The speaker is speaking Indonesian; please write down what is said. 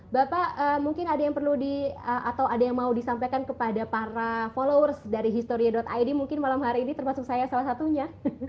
bapak mungkin ada yang perlu di atau ada yang mau disampaikan kepada para followers dari historia id mungkin malam hari ini termasuk saya salah satunya